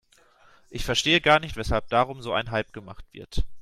Ich verstehe gar nicht, weshalb darum so ein Hype gemacht wird.